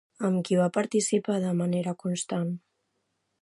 Amb qui va participar de manera constant?